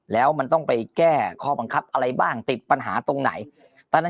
แล้วมันต้องไปแก้ข้อบังคับอะไรบ้างติดปัญหาตรงไหนตอนนั้น